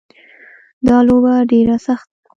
دا لوبه ډېره سخته ده